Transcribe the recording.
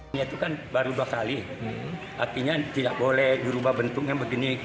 masjid ini baru dua kali artinya tidak boleh diubah bentuknya begini